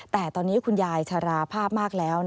แต่ตอนนี้คุณยายชราภาพมากแล้ว